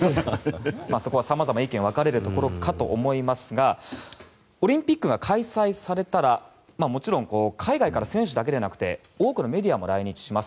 そこは様々意見が分かれるところだと思いますがオリンピックが開催されたらもちろん海外から選手だけではなくて多くのメディアも来日します。